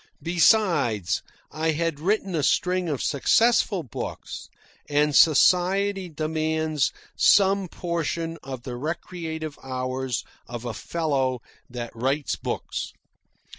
Besides, I had written a string of successful books, and society demands some portion of the recreative hours of a fellow that writes books.